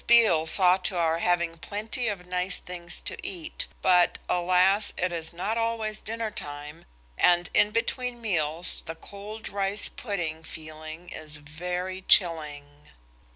Beale saw to our having plenty of nice things to eat, but, alas! it is not always dinner time, and in between meals the cold rice pudding feeling is very chilling.